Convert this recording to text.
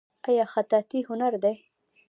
آیا خطاطي هنر دی؟